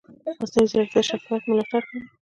مصنوعي ځیرکتیا د شفافیت ملاتړ کوي.